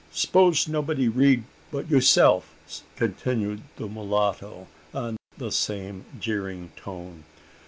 "S'pose nobody read but youseff?" continued the mulatta, in the same jeering tone.